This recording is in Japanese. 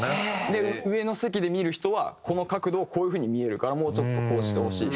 で上の席で見る人はこの角度をこういう風に見えるからもうちょっとこうしてほしい。